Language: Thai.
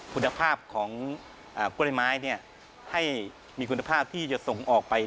คุณภาพของกล้วยไม้ให้มีคุณภาพที่จะส่งออกไป